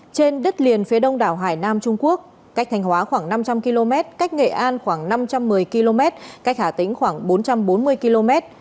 trên đất liền phía đông đảo hải nam trung quốc cách thanh hóa khoảng năm trăm linh km cách nghệ an khoảng năm trăm một mươi km cách hà tĩnh khoảng bốn trăm bốn mươi km